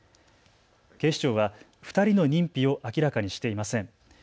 警視庁は２人の認否を明らかにしていません。